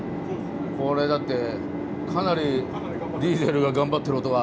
これだってかなりディーゼルが頑張ってる音が。